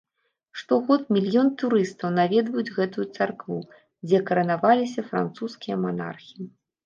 Штогод мільён турыстаў наведваюць гэтую царкву, дзе каранаваліся французскія манархі.